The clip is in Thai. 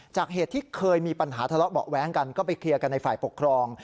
เหตุที่เคยมีปัญหาทะเลาะเบาะแว้งกันก็ไปเคลียร์กันในฝ่ายปกครอง